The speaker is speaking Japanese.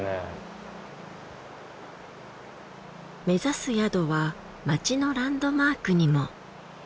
目指す宿は街のランドマークにも。